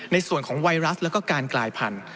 ในส่วนของไวรัสแล้วก็การกลายพันธุ